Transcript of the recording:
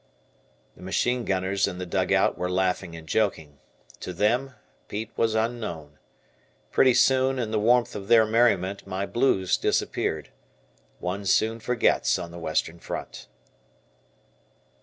The machine gunners in the dugout were laughing and joking. To them, Pete was unknown. Pretty soon, in the warmth of their merriment, my blues disappeared. One soon forgets on the Western Front.